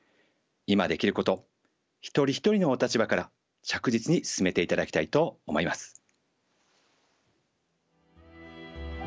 今できること一人一人のお立場から着実に進めていただきたいと思います。